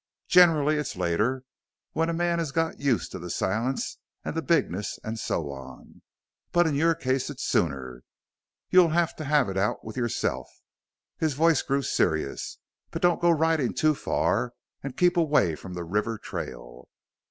Generally it's later, when a man has got used to the silence an' the bigness an' so on. But in your case it's sooner. You'll have to have it out with yourself." His voice grew serious. "But don't go ridin' too far. An' keep away from the river trail."